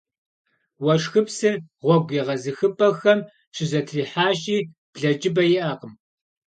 Уэшхыпсыр гъуэгу егъэзыхыпӏэхэм щызэтрихьащи, блэкӏыпӏэ иӏэкъым.